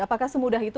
apakah semudah itu